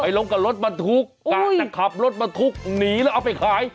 ลงกับรถบรรทุกกะจะขับรถบรรทุกหนีแล้วเอาไปขาย